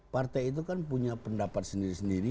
partai itu kan punya pendapat sendiri sendiri